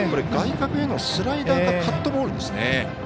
外角へのスライダーかカットボールですね。